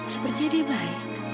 seperti jadi baik